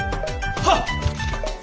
はっ！